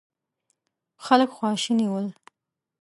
خلک خواشيني ول.